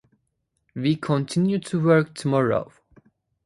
We continue to work tomorrow.